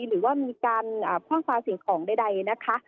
หรือว่ามีการเอ่อพ่องฟ้าเสียงของใดนะคะ